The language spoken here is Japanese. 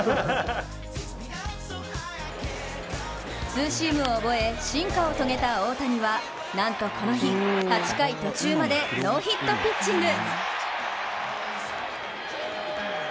ツーシームを覚え進化を遂げた大谷はなんとこの日、８回途中までノーヒットピッチング。